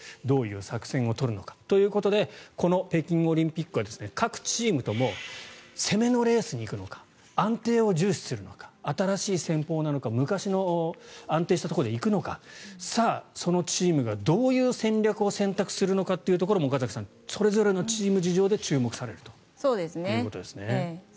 どういう作戦を取るのかということで北京オリンピックは各チームとも攻めのレースに行くのか安定を重視するのか新しい戦法なのか昔の安定したところで行くのかさあ、そのチームがどういう戦略を選択するのかも岡崎さん、それぞれのチーム事情で選択されると。